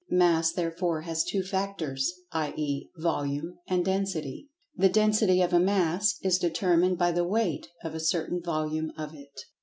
"Mass" therefore has two factors, i.e., "Volume" and "Density." The "Density" of a "Mass" is determined by the weight of a certain "Volume" of it.